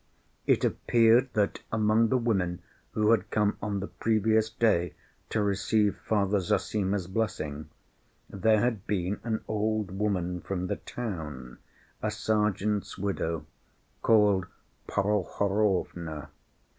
It appeared that among the women who had come on the previous day to receive Father Zossima's blessing, there had been an old woman from the town, a sergeant's widow, called Prohorovna.